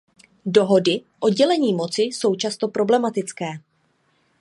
Dohody o dělení moci jsou často problematické.